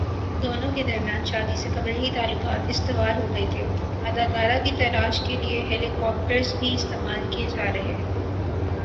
دونوں کے درمیان شادی سے قبل ہی تعلقات استوار ہوگئے تھےاداکارہ کی تلاش کے لیے ہیلی کاپٹرز بھی استعمال کیے جا رہے